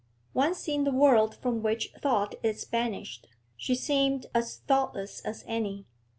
Once in the world from which thought is banished, she seemed as thoughtless as any.